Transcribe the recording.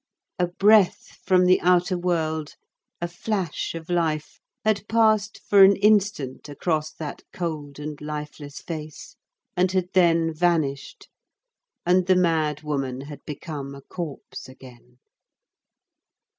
A breath from the outer world, a flash of life, had passed for an instant across that cold and lifeless face and had then vanished, and the mad woman had become a corpse again.